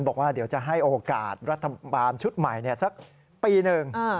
บอกว่าเดี๋ยวจะให้โอกาสรัฐบาลชุดใหม่สักปีหนึ่ง